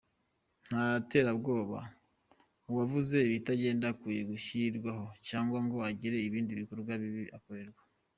Nta terabwoba uwavuze ibitagenda akwiye gushyirwaho cyangwa ngo agire ibindi bikorwa bibi akorerwa.